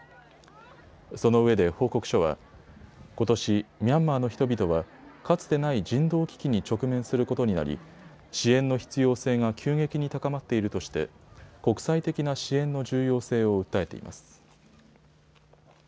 そのうえで報告書はことし、ミャンマーの人々はかつてない人道危機に直面することになり支援の必要性が急激に高まっているとして国際的な支援の重要性を訴えています。